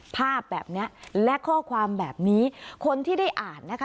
ภาพแบบเนี้ยและข้อความแบบนี้คนที่ได้อ่านนะคะ